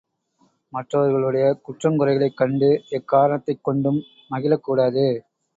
மற்றவர்களுடைய குற்றங் குறைகளைக் கண்டு எக்காரணத்தைக் கொண்டும் மகிழக் கூடாது.